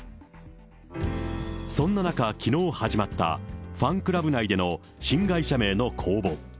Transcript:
そんな中、きのう始まったファンクラブ内での新会社名の公募。